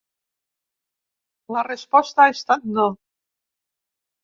La resposta ha estat no.